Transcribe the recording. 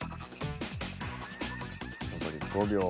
残り５秒。